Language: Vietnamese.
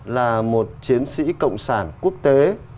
là một chiến sĩ cộng sản quốc tế